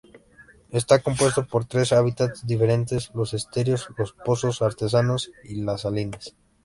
Está compuesto por tres hábitats diferentes: los esteros, los pozos artesanos y las salinas.